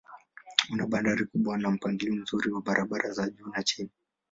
Una bandari kubwa na mpangilio mzuri wa barabara za juu na chini.